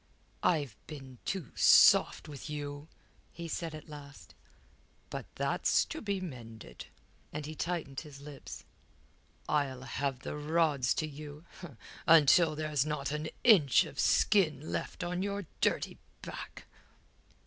"I've been too soft with you," he said at last. "But that's to be mended." And he tightened his lips. "I'll have the rods to you, until there's not an inch of skin left on your dirty back."